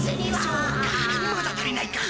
そうかまだ足りないか。